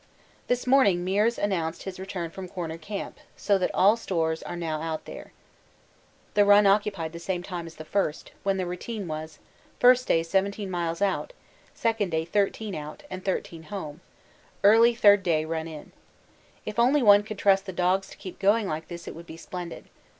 This morning Meares announced his return from Corner Camp, so that all stores are now out there. The run occupied the same time as the first, when the routine was: first day 17 miles out; second day 13 out, and 13 home; early third day run in. If only one could trust the dogs to keep going like this it would be splendid.